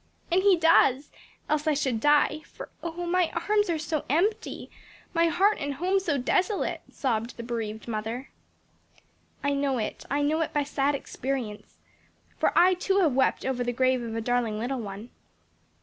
"And He does, else I should die; for oh my arms are so empty, my heart and home so desolate!" sobbed the bereaved mother. "I know it, I know it by sad experience; for I too, have wept over the grave of a darling little one."